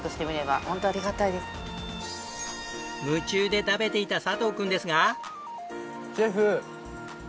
夢中で食べていた佐藤くんですが。